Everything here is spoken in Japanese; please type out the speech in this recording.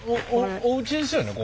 おうちですよね？